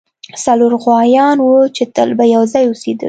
څلور غوایان وو چې تل به یو ځای اوسیدل.